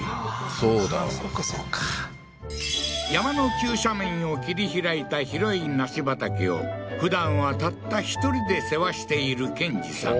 そうだそっかそっか山の急斜面を切り開いた広い梨畑をふだんはたった１人で世話している建治さん